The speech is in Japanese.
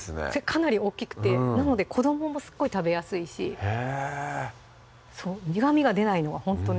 かなり大きくてなので子どももすっごい食べやすいし苦みが出ないのはほんとね